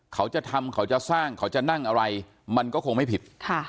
เขาจะทำเขาจะสร้างเขาจะนั่งอะไรมันก็คงไม่ผิด